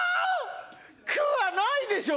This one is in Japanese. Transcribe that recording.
くはないでしょ。